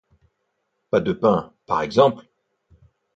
Pas de pain, par exemple !